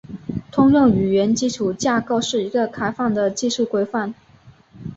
通用语言基础架构是一个开放的技术规范。